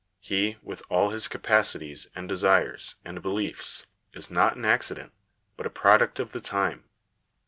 He, with all his capacities, and desires, and beliefs, is not an accident, but a product of the time.